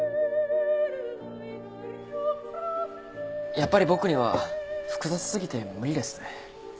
やっぱり僕には複雑過ぎて無理です。